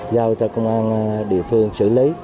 giao cho công an địa phương xử lý